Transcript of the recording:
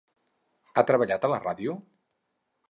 Ha treballat a la ràdio?